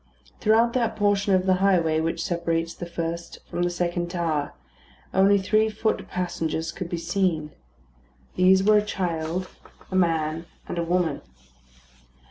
Throughout that portion of the highway which separates the first from the second tower, only three foot passengers could be seen. These were a child, a man, and a woman.